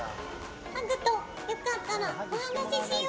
ハグと良かったらお話ししよう。